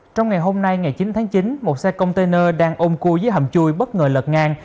trong ngày hôm nay ngày chín tháng chín một xe container đang ôn cua dưới hầm chui bất ngờ lật ngang